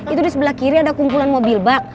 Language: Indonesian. itu di sebelah kiri ada kumpulan mobil bak